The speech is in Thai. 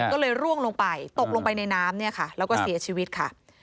ก็เลยร่วงลงไปตกลงไปในน้ำเนี่ยค่ะแล้วก็เสียชีวิตค่ะ